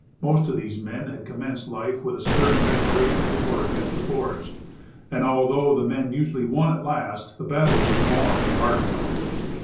Most of these men had commenced life with a stern declaration of war against the forest; and, although the men usually won at last, the battle was a long and hard one.